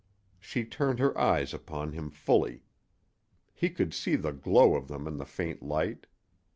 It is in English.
She turned her eyes upon him fully. He could see the glow of them in the faint light.